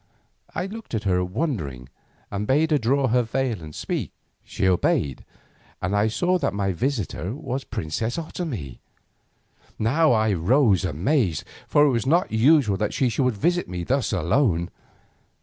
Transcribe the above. I looked at her wondering, and bade her draw her veil and speak. She obeyed, and I saw that my visitor was the princess Otomie. Now I rose amazed, for it was not usual that she should visit me thus alone.